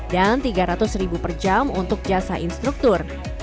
dan tiga ratus ribu per jam untuk jasa instruktur